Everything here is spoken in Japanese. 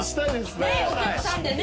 ねえお客さんでね。